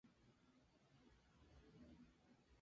La primera canción que tocó es de The Blues Brothers.